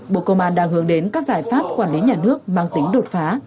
bộ công an đang hướng đến các giải pháp quản lý nhà nước mang tính đột phá